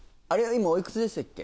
今おいくつでしたっけ？